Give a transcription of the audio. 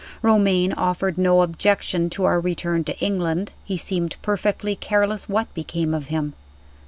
Romayne offered no objection to our return to England; he seemed perfectly careless what became of him.